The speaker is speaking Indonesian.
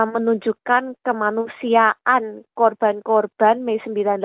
menunjukkan kemanusiaan korban korban may seribu sembilan ratus sembilan puluh delapan